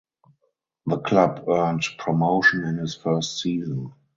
The club earned promotion in his first season.